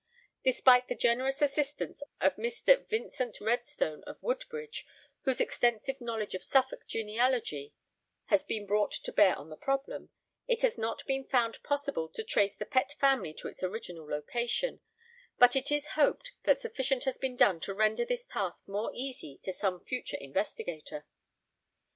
Despite the generous assistance of Mr. Vincent Redstone of Woodbridge, whose extensive knowledge of Suffolk genealogy has been brought to bear on the problem, it has not been found possible to trace the Pett family to its original location, but it is hoped that sufficient has been done to render this task more easy to some future investigator.